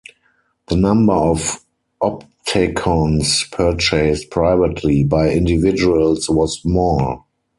The number of Optacons purchased privately by individuals was small.